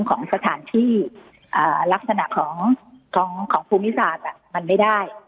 ของสถานที่อ่าลักษณะของของของภูมิศาสตร์อ่ะมันไม่ได้